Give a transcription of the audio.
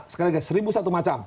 sekali lagi seribu satu macam